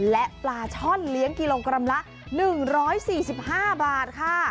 และปลาช่อนเลี้ยงกิโลกรัมละ๑๔๕บาทค่ะ